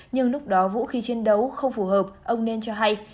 nhưng lúc đó vũ khí chiến đấu không phù hợp ông nên cho hay